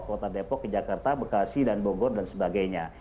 kota depok jakarta bekasi dan bogor dan sebagainya